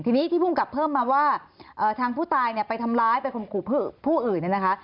ทีนี้ที่ภูมิกับเพิ่มมาว่าทางผู้ตายเนี่ยไปทำร้ายไปข่มขู่ผู้อื่นเนี่ยนะคะ